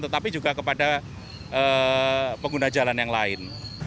tetapi juga kepada pengguna jalan yang lain